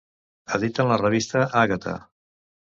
Editen la revista Àgata.